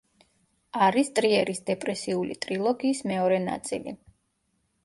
არის ტრიერის დეპრესიული ტრილოგიის მეორე ნაწილი.